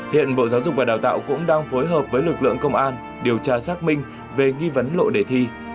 hiện bộ giáo dục và đào tạo cũng đang phối hợp với lực lượng công an điều tra xác minh về nghi vấn lộ đề thi